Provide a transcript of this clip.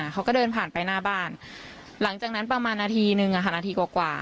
เขาก็เดินผ่านไปหน้าบ้านหลังจากนั้นประมาณนาทีนึงนาทีกว่า